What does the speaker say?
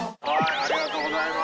ありがとうございます。